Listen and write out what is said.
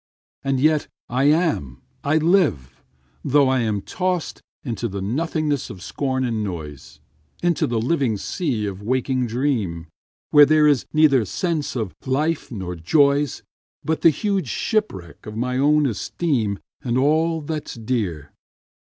5 And yet I am—I live—though I am toss'd Into the nothingness of scorn and noise, Into the living sea of waking dream, Where there is neither sense of life, nor joys, But the huge shipwreck of my own esteem 10 And all that 's dear.